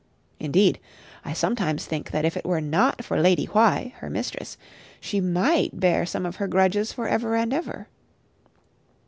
Indeed, I sometimes think that if it were not for Lady Why, her mistress, she might bear some of her grudges for ever and ever.